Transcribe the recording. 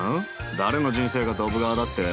誰の人生がドブ川だって？